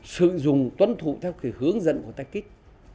sử dụng tuân thụ theo hướng dẫn của test kích